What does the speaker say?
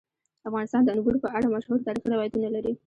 افغانستان د انګور په اړه مشهور تاریخی روایتونه لري.